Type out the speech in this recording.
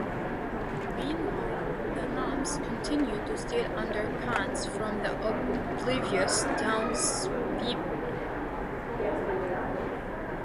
Meanwhile, the gnomes continue to steal underpants from the oblivious townspeople.